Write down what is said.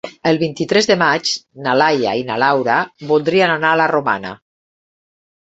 El vint-i-tres de maig na Laia i na Laura voldrien anar a la Romana.